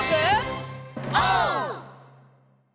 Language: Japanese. オー！